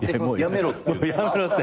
やめろ」って。